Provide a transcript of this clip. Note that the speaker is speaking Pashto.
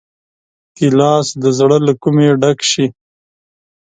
ګیلاس د زړه له کومي ډک شي.